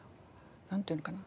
なんていうのかな。